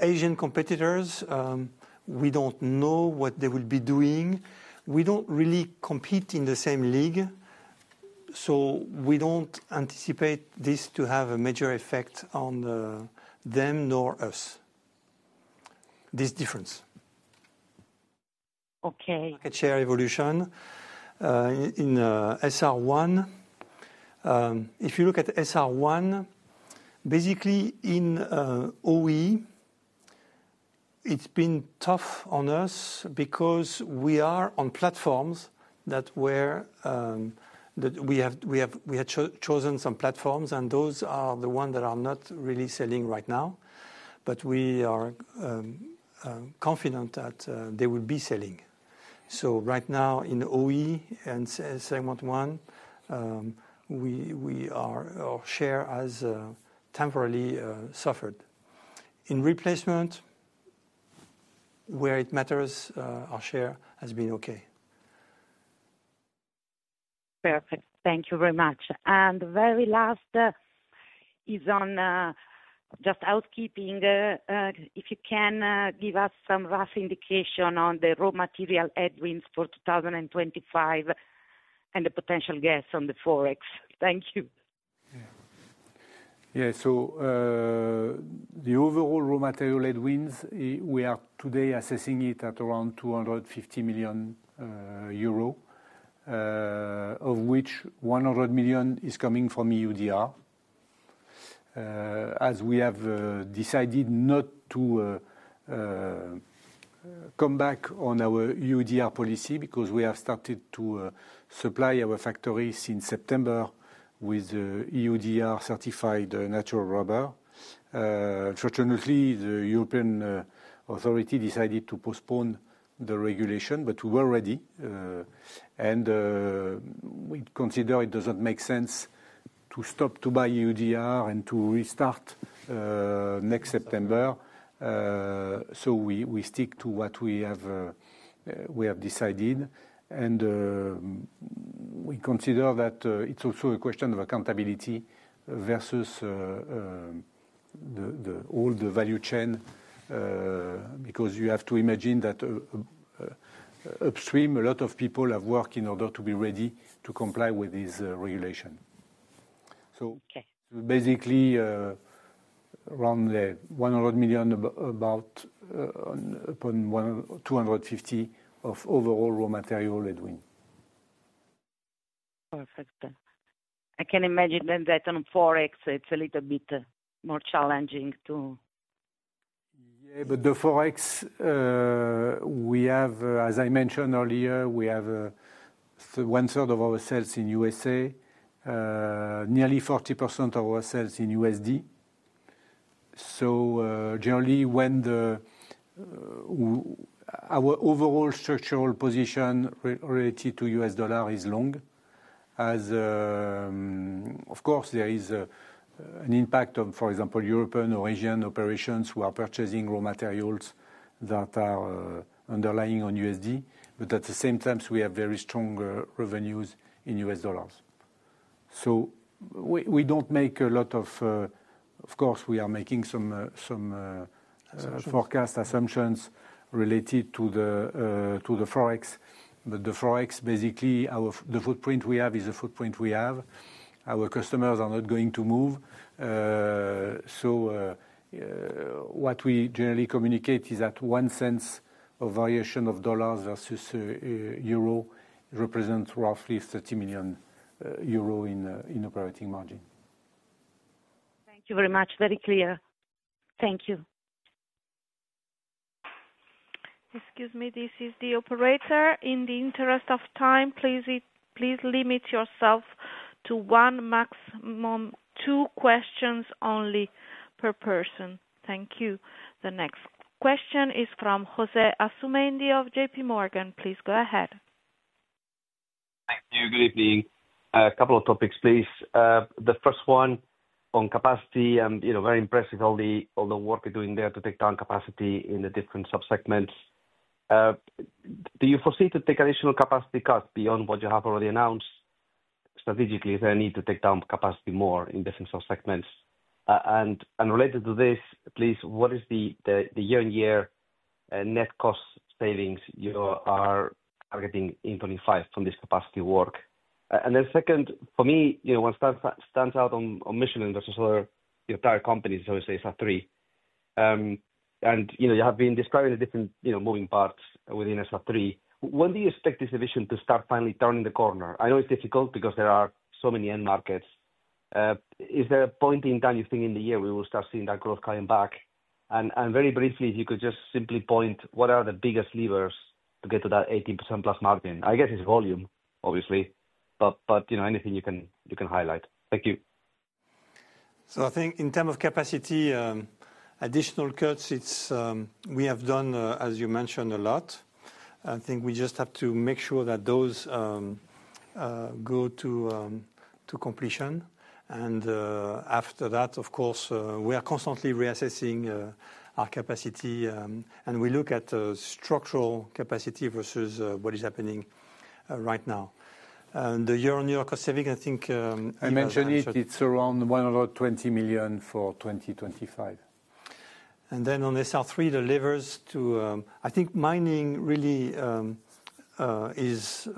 Asian competitors, we don't know what they will be doing. We don't really compete in the same league, so we don't anticipate this to have a major effect on them nor us, this difference. Okay. Market share evolution in SR1. If you look at SR1, basically in OE, it's been tough on us because we are on platforms that we had chosen some platforms, and those are the ones that are not really selling right now, but we are confident that they will be selling. So right now in OE and Segment 1, our share has temporarily suffered. In replacement, where it matters, our share has been okay. Perfect. Thank you very much. And the very last is on just housekeeping. If you can give us some rough indication on the raw material headwinds for 2025 and the potential gaps on the forex. Thank you. Yeah. So the overall raw material headwinds, we are today assessing it at around 250 million euro, of which 100 million is coming from EUDR, as we have decided not to come back on our EUDR policy because we have started to supply our factories in September with EUDR certified natural rubber. Unfortunately, the European authority decided to postpone the regulation, but we were ready. And we consider it doesn't make sense to stop to buy EUDR and to restart next September. So we stick to what we have decided. And we consider that it's also a question of accountability versus all the value chain because you have to imagine that upstream, a lot of people have worked in order to be ready to comply with this regulation. So basically, around 100 million upon 250 of overall raw material headwind. Perfect. I can imagine that on forex, it's a little bit more challenging too. Yeah, but the forex, we have, as I mentioned earlier, we have one-third of our sales in USA, nearly 40% of our sales in USD. So generally, when our overall structural position related to US dollar is long, as of course, there is an impact of, for example, European or Asian operations who are purchasing raw materials that are underlying on USD, but at the same time, we have very strong revenues in US dollars. So we don't make a lot of, of course, we are making some forecast assumptions related to the forex, but the forex, basically, the footprint we have is the footprint we have. Our customers are not going to move. So what we generally communicate is that one cent of variation of dollars versus euro represents roughly 30 million euro in operating margin. Thank you very much. Very clear. Thank you. Excuse me, this is the operator. In the interest of time, please limit yourself to one maximum two questions only per person. Thank you. The next question is from Jose Asumendi of J.P. Morgan. Please go ahead. Thank you. Good evening. A couple of topics, please. The first one on capacity, very impressive all the work you're doing there to take down capacity in the different subsegments. Do you foresee to take additional capacity cuts beyond what you have already announced strategically if there is a need to take down capacity more in different subsegments? And related to this, please, what is the year-on-year net cost savings you are targeting in 25 from this capacity work? And then second, for me, what stands out on Michelin versus other tire companies, so to say, SR3. You have been describing the different moving parts within SR3. When do you expect this division to start finally turning the corner? I know it's difficult because there are so many end markets. Is there a point in time, you think, in the year we will start seeing that growth coming back? And very briefly, if you could just simply point, what are the biggest levers to get to that 18% + margin? I guess it's volume, obviously, but anything you can highlight. Thank you. I think in terms of capacity, additional cuts, we have done, as you mentioned, a lot. I think we just have to make sure that those go to completion. After that, of course, we are constantly reassessing our capacity, and we look at structural capacity versus what is happening right now. The year-on-year cost saving, I think. I mentioned it. It's around 120 million for 2025. And then on SR3, the levers to, I think mining really is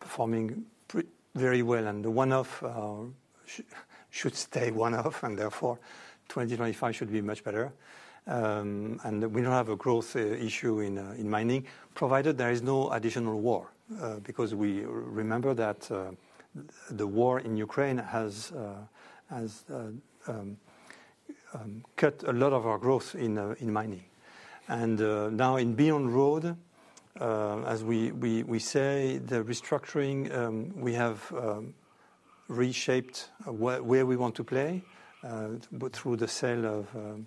performing very well, and the one-off should stay one-off, and therefore, 2025 should be much better. And we don't have a growth issue in mining, provided there is no additional war, because we remember that the war in Ukraine has cut a lot of our growth in mining. And now in Beyond Road, as we say, the restructuring, we have reshaped where we want to play through the sale of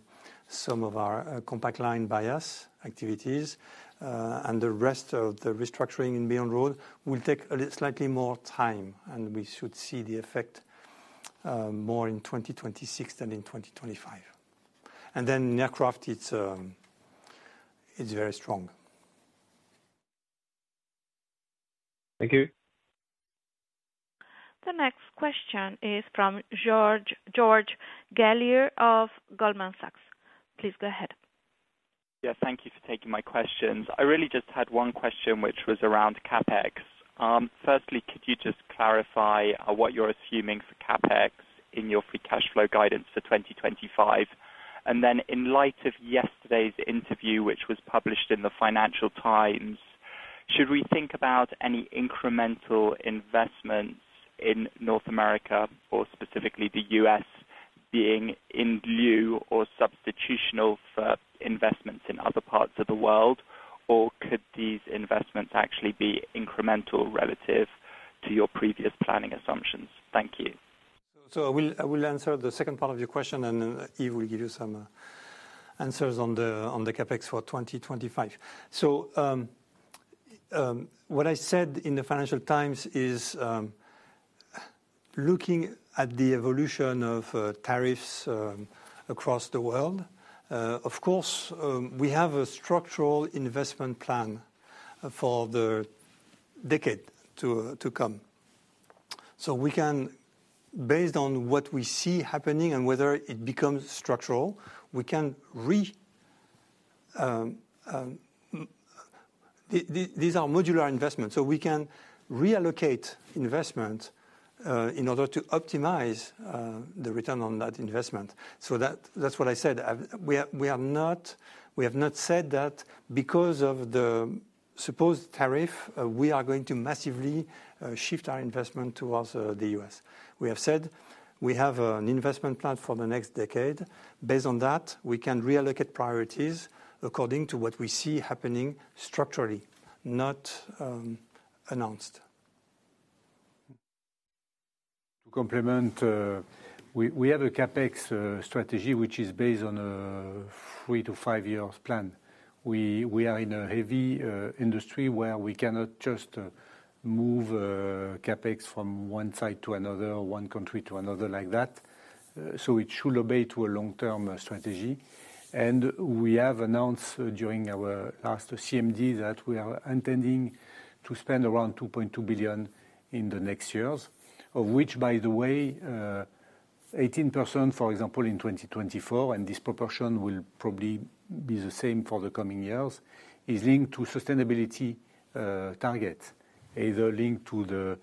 some of our Compact Line bias activities. And the rest of the restructuring in Beyond Road will take a slightly more time, and we should see the effect more in 2026 than in 2025. And then in aircraft, it's very strong. Thank you. The next question is from George Galliers of Goldman Sachs. Please go ahead. Yeah, thank you for taking my questions. I really just had one question, which was around CapEx. Firstly, could you just clarify what you're assuming for CapEx in your free cash flow guidance for 2025? And then in light of yesterday's interview, which was published in the Financial Times, should we think about any incremental investments in North America or specifically the US being in lieu or substitutional for investments in other parts of the world? Or could these investments actually be incremental relative to your previous planning assumptions? Thank you. So I will answer the second part of your question, and Yves will give you some answers on the CapEx for 2025. So what I said in the Financial Times is looking at the evolution of tariffs across the world, of course, we have a structural investment plan for the decade to come. So we can, based on what we see happening and whether it becomes structural, we can. These are modular investments. So we can reallocate investments in order to optimize the return on that investment. So that's what I said. We have not said that because of the supposed tariff, we are going to massively shift our investment towards the US We have said we have an investment plan for the next decade. Based on that, we can reallocate priorities according to what we see happening structurally, not announced. To complement, we have a CapEx strategy, which is based on a three- to five-year plan. We are in a heavy industry where we cannot just move CapEx from one side to another, one country to another like that. So it should obey to a long-term strategy. We have announced during our last CMD that we are intending to spend around 2.2 billion in the next years, of which, by the way, 18%, for example, in 2024, and this proportion will probably be the same for the coming years, is linked to sustainability targets, either linked to the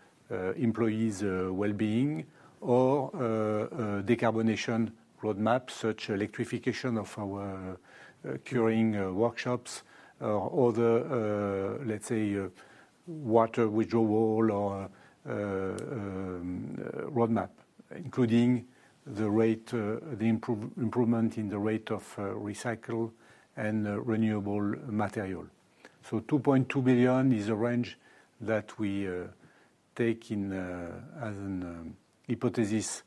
employees' well-being or decarbonation roadmaps, such as electrification of our curing workshops or other, let's say, water withdrawal or roadmap, including the improvement in the rate of recycled and renewable material. So 2.2 billion is the range that we take as an hypothesis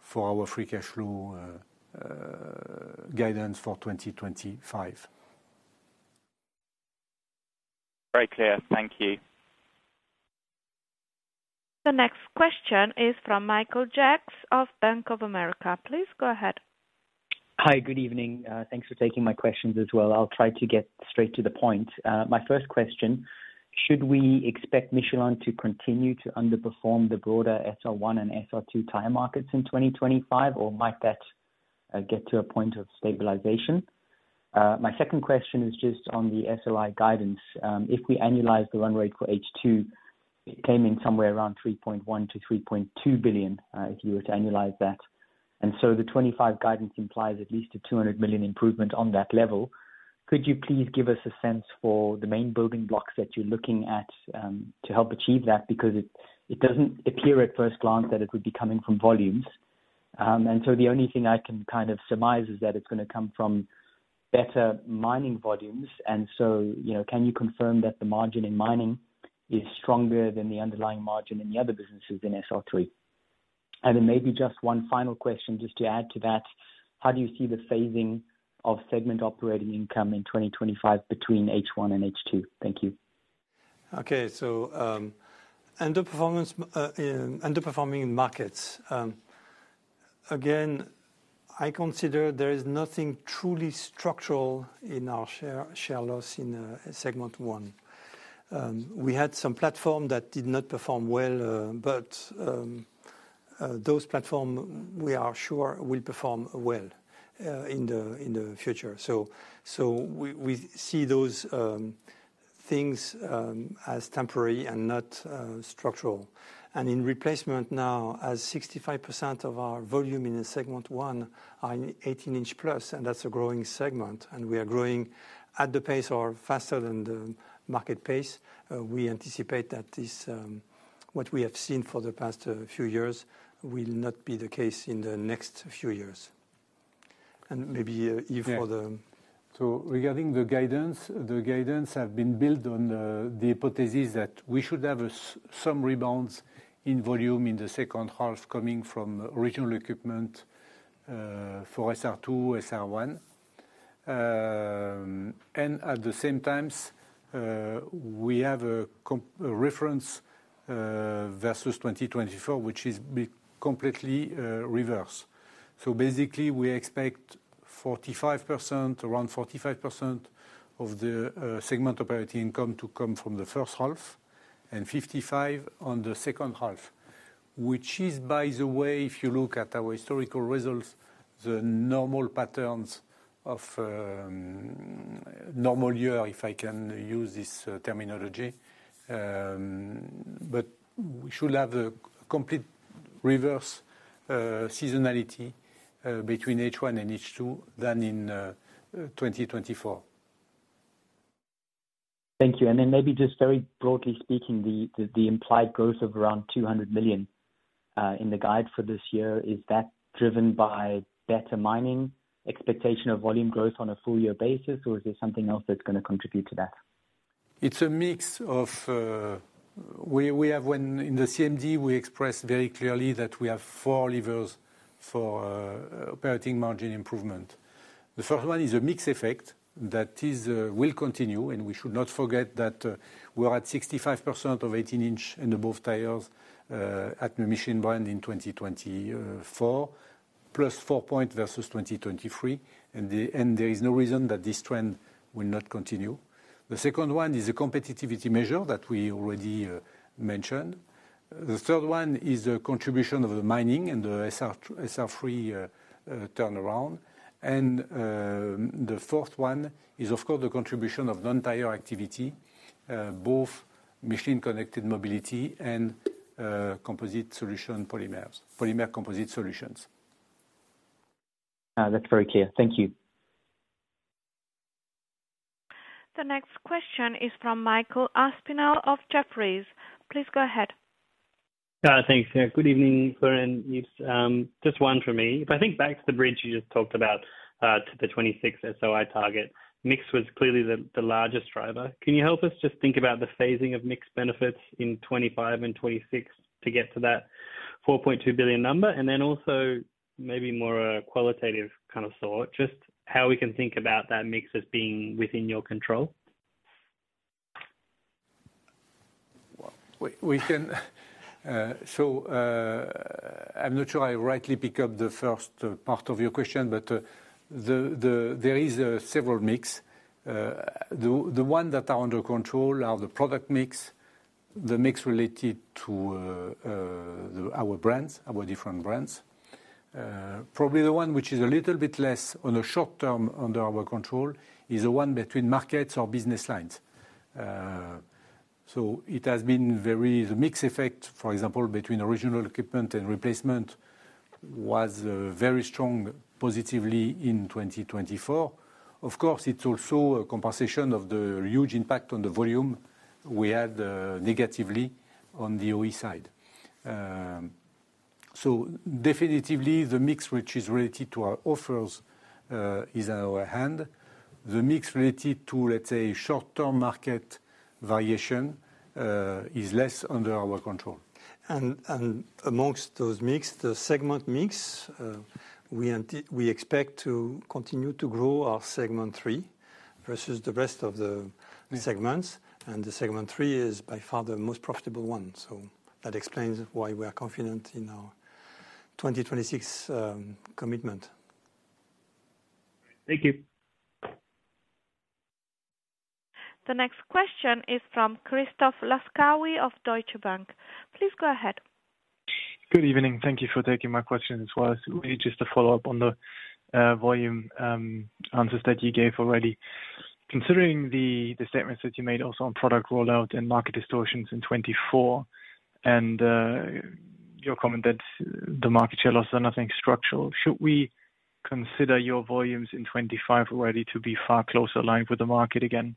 for our free cash flow guidance for 2025. Great, Claire. Thank you. The next question is from Michael Jacks of Bank of America. Please go ahead. Hi, good evening. Thanks for taking my questions as well. I'll try to get straight to the point. My first question, should we expect Michelin to continue to underperform the broader SR1 and SR2 tire markets in 2025, or might that get to a point of stabilization? My second question is just on the SOI guidance. If we annualize the run rate for H2, it came in somewhere around 3.1-3.2 billion if you were to annualize that. And so the 2025 guidance implies at least a 200 million improvement on that level. Could you please give us a sense for the main building blocks that you're looking at to help achieve that? Because it doesn't appear at first glance that it would be coming from volumes. And so the only thing I can kind of surmise is that it's going to come from better mining volumes. And so can you confirm that the margin in mining is stronger than the underlying margin in the other businesses in SR3? And then maybe just one final question just to add to that, how do you see the phasing of segment operating income in 2025 between H1 and H2? Thank you. Okay, so underperforming markets. Again, I consider there is nothing truly structural in our share loss in Segment 1. We had some platforms that did not perform well, but those platforms we are sure will perform well in the future. So we see those things as temporary and not structural. And in replacement now, as 65% of our volume in Segment 1 are in 18-inch+, and that's a growing segment, and we are growing at the pace or faster than the market pace, we anticipate that what we have seen for the past few years will not be the case in the next few years. And maybe Yves for the. So regarding the guidance, the guidance has been built on the hypothesis that we should have some rebounds in volume in the second half coming from original equipment for SR2, SR1. And at the same time, we have a reference versus 2024, which is completely reversed. So basically, we expect around 45% of the segment operating income to come from the first half and 55% on the second half, which is, by the way, if you look at our historical results, the normal patterns of normal year, if I can use this terminology. But we should have a complete reverse seasonality between H1 and H2 than in 2024. Thank you. And then maybe just very broadly speaking, the implied growth of around 200 million in the guide for this year, is that driven by better mining, expectation of volume growth on a full-year basis, or is there something else that's going to contribute to that? It's a mix of we have in the CMD, we express very clearly that we have four levers for operating margin improvement. The first one is a mix effect that will continue, and we should not forget that we're at 65% of 18-inch and above tires at the Michelin brand in 2024, +4 points versus 2023. And there is no reason that this trend will not continue. The second one is a competitiveness measure that we already mentioned. The third one is the contribution of the mining and the SR3 turnaround. And the fourth one is, of course, the contribution of non-tire activity, both Michelin Connected Mobility and Polymer Composite Solutions. That's very clear. Thank you. The next question is from Michael Aspinall of Jefferies. Please go ahead. Thanks. Good evening, Florent and Yves. Just one for me. If I think back to the bridge you just talked about to the 26 SOI target, mix was clearly the largest driver. Can you help us just think about the phasing of mix benefits in 2025 and 2026 to get to that 4.2 billion number? And then also maybe more a qualitative kind of thought, just how we can think about that mix as being within your control. So I'm not sure I rightly picked up the first part of your question, but there are several mix. The ones that are under control are the product mix, the mix related to our brands, our different brands. Probably the one which is a little bit less on the short term under our control is the one between markets or business lines. So it has been very the mix effect, for example, between original equipment and replacement was very strong positively in 2024. Of course, it's also a compensation of the huge impact on the volume we had negatively on the OE side. So definitely, the mix which is related to our offers is in our hand. The mix related to, let's say, short-term market variation is less under our control. And amongst those mix, the segment mix, we expect to continue to grow our Segment 3 versus the rest of the segments. And the Segment 3 is by far the most profitable one. So that explains why we are confident in our 2026 commitment. Thank you. The next question is from Christoph Laskawi of Deutsche Bank. Please go ahead. Good evening. Thank you for taking my question as well. It's really just a follow-up on the volume answers that you gave already. Considering the statements that you made also on product rollout and market distortions in 2024 and your comment that the market share losses are nothing structural, should we consider your volumes in 2025 already to be far closer aligned with the market again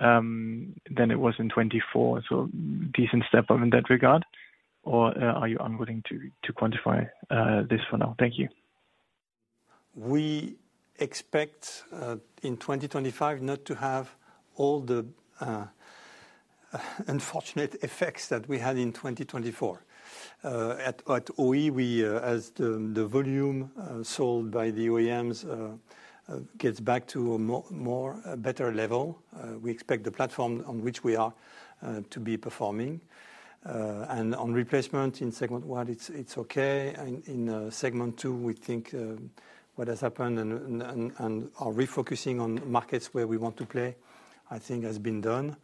than it was in 2024? So a decent step up in that regard, or are you unwilling to quantify this for now? Thank you. We expect in 2025 not to have all the unfortunate effects that we had in 2024. At OE, as the volume sold by the OEMs gets back to a better level, we expect the platform on which we are to be performing. And on replacement in Segment 1, it's okay. In Segment 2, we think what has happened and our refocusing on markets where we want to play, I think, has been done.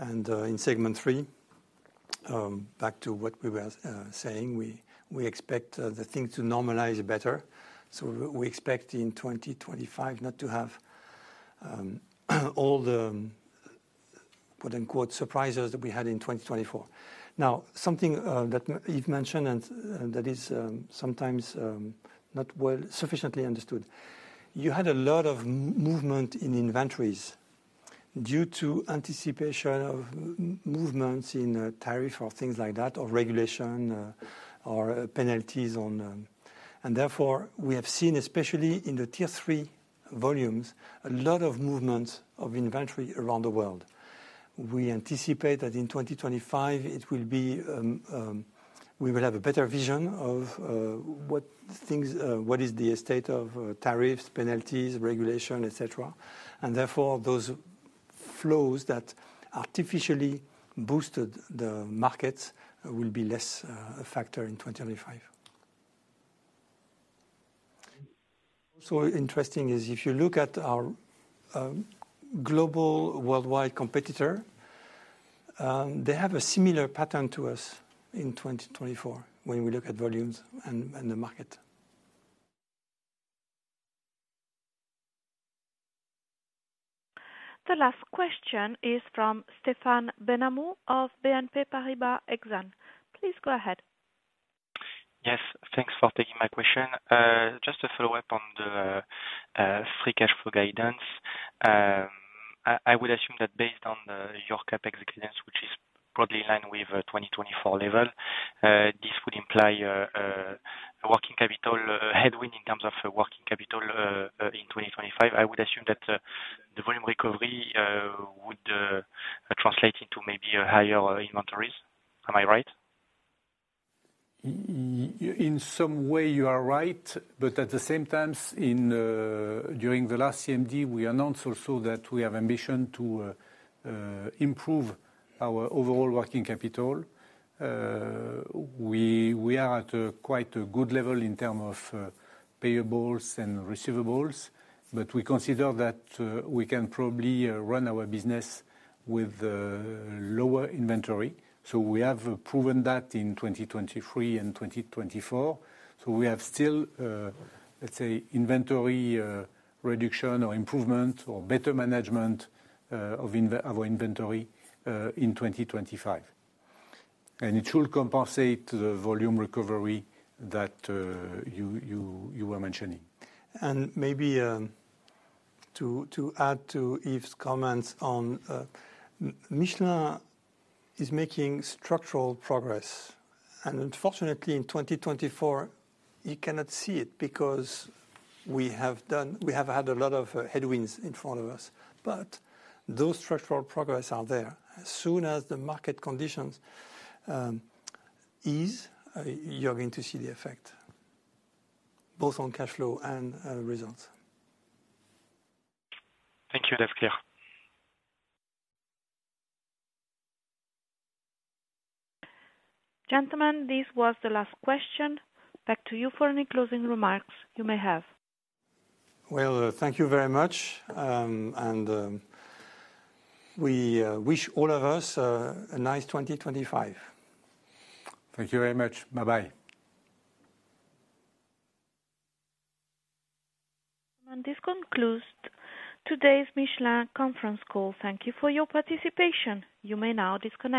In Segment 3, back to what we were saying, we expect the thing to normalize better. So we expect in 2025 not to have all the "surprises" that we had in 2024. Now, something that Yves mentioned and that is sometimes not well sufficiently understood. You had a lot of movement in inventories due to anticipation of movements in tariff or things like that, or regulation or penalties. And therefore, we have seen, especially in the Segment 3 volumes, a lot of movements of inventory around the world. We anticipate that in 2025, we will have a better vision of what is the state of tariffs, penalties, regulation, etc. And therefore, those flows that artificially boosted the markets will be less a factor in 2025. Also interesting is if you look at our global worldwide competitor, they have a similar pattern to us in 2024 when we look at volumes and the market. The last question is from Stéphane Benhamou of BNP Paribas Exane. Please go ahead. Yes, thanks for taking my question. Just to follow up on the free cash flow guidance, I would assume that based on your CapEx guidance, which is probably in line with the 2024 level, this would imply a working capital headwind in terms of working capital in 2025. I would assume that the volume recovery would translate into maybe higher inventories. Am I right? In some way, you are right. But at the same time, during the last CMD, we announced also that we have ambition to improve our overall working capital. We are at quite a good level in terms of payables and receivables, but we consider that we can probably run our business with lower inventory. So we have proven that in 2023 and 2024. So we have still, let's say, inventory reduction or improvement or better management of our inventory in 2025. And it should compensate the volume recovery that you were mentioning. And maybe to add to Yves' comments on Michelin is making structural progress. And unfortunately, in 2024, you cannot see it because we have had a lot of headwinds in front of us. But those structural progress are there. As soon as the market conditions ease, you're going to see the effect, both on cash flow and results. Thank you, that's clear. Gentlemen, this was the last question. Back to you for any closing remarks you may have. Well, thank you very much. We wish all of us a nice 2025. Thank you very much. Bye-bye. This concludes today's Michelin conference call. Thank you for your participation. You may now disconnect.